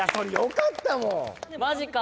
マジか！